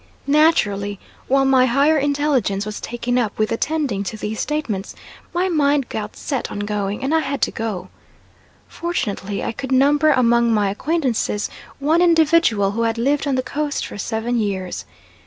Naturally, while my higher intelligence was taken up with attending to these statements, my mind got set on going, and I had to go. Fortunately I could number among my acquaintances one individual who had lived on the Coast for seven years.